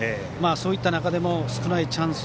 そういった中でも少ないチャンス